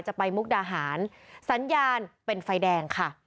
ไปมุกดาหารสัญญาณเป็นไฟแดงค่ะ